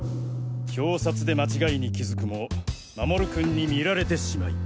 表札で間違いに気付くも守君に見られてしまい。